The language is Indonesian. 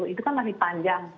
itu kan masih panjang